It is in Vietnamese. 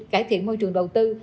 cải thiện môi trường đầu tư